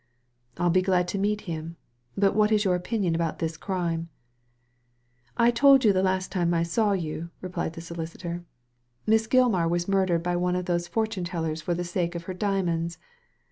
••I'll be glad to meet him. But what is your opinion about this crime ?"" I told you the last time I saw you," replied the solicitor. "Miss Gilmar was murdered by one of those fortune tellers for the sake of her diamonds.